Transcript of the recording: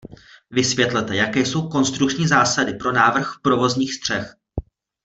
Vysvětlete, jaké jsou konstrukční zásady pro návrh provozních střech.